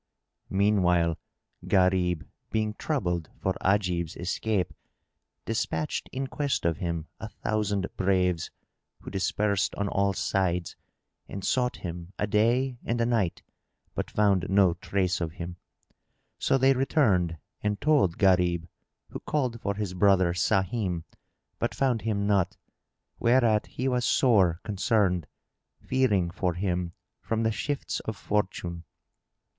Meanwhile, Gharib, being troubled for Ajib's escape, despatched in quest of him a thousand braves, who dispersed on all sides and sought him a day and a night, but found no trace of him; so they returned and told Gharib, who called for his brother Sahim, but found him not; whereat he was sore concerned, fearing for him from the shifts of Fortune.